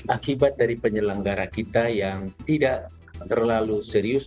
akibat dari penyelenggara kita yang tidak terlalu serius